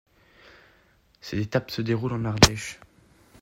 Cette étape se déroule en Ardèche.